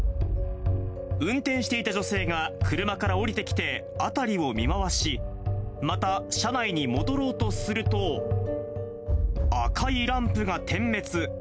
運転していた女性が車から降りてきて、辺りを見回し、また車内に戻ろうとすると、赤いランプが点滅。